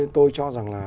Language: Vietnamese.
tôi cho rằng là